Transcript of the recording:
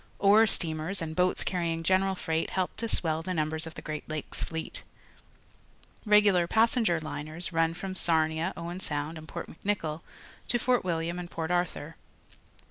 Ore steamers and boats carrying general freight help to swell the numbers of the CJreat Lakes fleet. Regular passenger liners run from Sarnia, Owen Sound, and Port Mc Nicoll to Fort Wilham and Port Arthur.